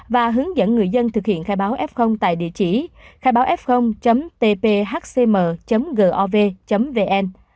và hướng dẫn người dân thực hiện khai báo f tại địa chỉ khai báof tphcm gov vn